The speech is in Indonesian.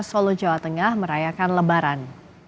solo jawa tengah merayakan lebaran